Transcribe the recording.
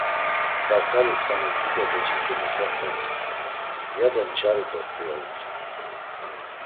Kart̆alisǩanis dido becit̆i mutxa kon, yado nç̌ari dort̆u, ya utzu.